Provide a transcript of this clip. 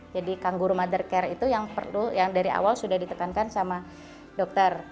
jadi kangguru mother care itu yang dari awal sudah ditekankan sama dokter